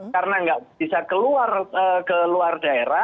karena nggak bisa keluar ke luar daerah